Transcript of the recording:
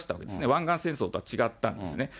湾岸戦争とは違ったんですね。